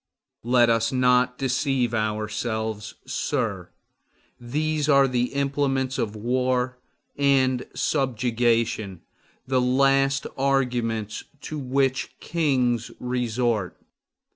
Let us not deceive ourselves, sir. These are the implements of war and subjugation, the last arguments to which kings resort.